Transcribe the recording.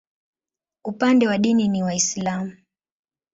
Upande wa dini ni Waislamu.